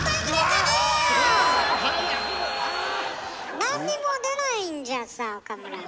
何にも出ないんじゃさ岡村。